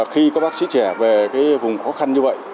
khi các bác sĩ trẻ về vùng khó khăn như vậy